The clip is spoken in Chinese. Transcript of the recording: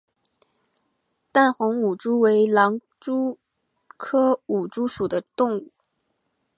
淡红舞蛛为狼蛛科舞蛛属的动物。